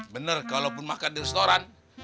benar kalaupun makan di restoran